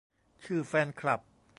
ชื่อแฟนคลับ